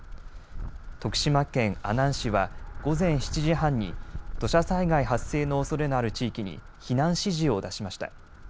徳島県阿南市は午前７時半に土砂災害発生のおそれのある地域に避難指示を出しました。